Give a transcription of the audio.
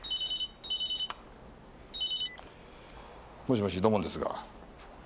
もしもし土門ですが。